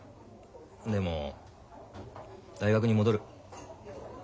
でも大学に戻る。